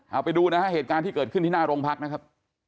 เอาไปดูนะฮะเหตุการณ์ที่เกิดขึ้นที่หน้าโรงพักนะครับ